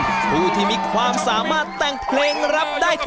อบเตอร์มหาสนุกกลับมาสร้างความสนานครื้นเครงพร้อมกับแขกรับเชิง